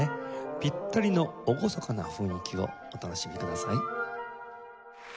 ピッタリの厳かな雰囲気をお楽しみください。